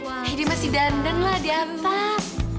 eh dia masih dandeng lah di atas